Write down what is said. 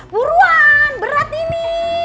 buruan berat ini